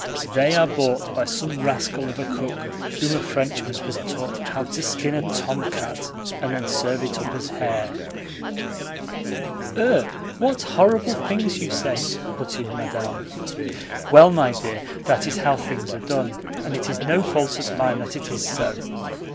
They are bought by some rascal of a cook whom a Frenchman has taught how to skin a tomcat and then serve it up as hare." "Ugh! What horrible things you say!" put in Madame. "Well, my dear, that is how things are done, and it is no fault of mine that it is so.